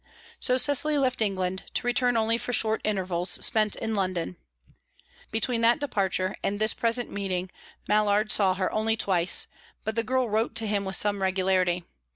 So Cecily left England, to return only for short intervals, spent in London. Between that departure and this present meeting, Mallard saw her only twice; but the girl wrote to him with some regularity.